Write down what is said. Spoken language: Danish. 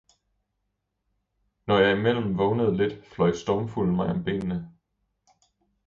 når jeg imellem vågnede lidt, fløj stormfuglen mig om benene!